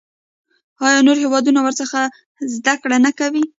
آیا نور هیوادونه ورڅخه زده کړه نه کوي؟